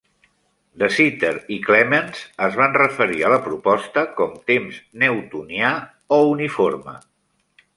De Sitter i Clemence es van referir a la proposta com temps "newtonià" o "uniforme".